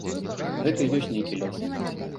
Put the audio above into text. Гэта і ёсць нейкі лёс.